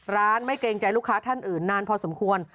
ร้านไม่เกรงใจลูกค้าท่านอื่นนานพอสมควร